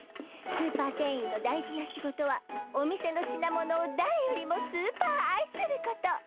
スーパー店員の大事な仕事はお店の品物をだれよりもスーパーあいすること。